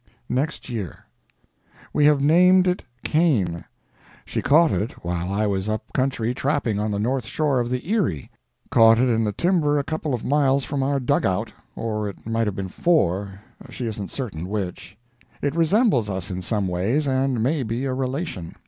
NEXT YEAR. We have named it Cain. She caught it while I was up country trapping on the North Shore of the Erie; caught it in the timber a couple of miles from our dug out or it might have been four, she isn't certain which. It resembles us in some ways, and may be a relation.